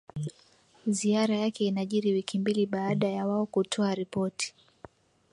Ziara yake inajiri wiki mbili baada ya wao kutoa ripoti